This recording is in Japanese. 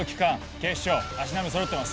警視庁足並み揃ってます